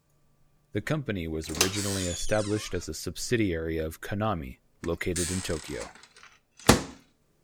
The company was originally established as a subsidiary of Konami, located in Tokyo.